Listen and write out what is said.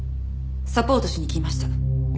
サポートしに来ました。